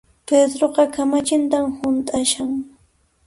Pedroqa kamachintan hunt'ashan